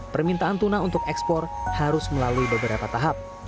permintaan tuna untuk ekspor harus melalui beberapa tahap